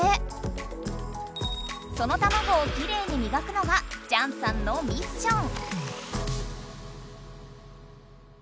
その卵をキレイにみがくのがチャンさんのミッション。